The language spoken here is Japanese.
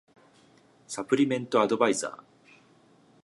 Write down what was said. サプリメントアドバイザー